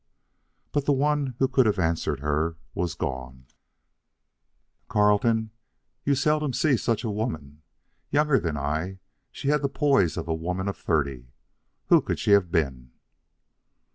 But the one who could have answered her was gone. "Carleton, you seldom see such a woman. Younger than I, she had the poise of a woman of thirty. Who could she have been?"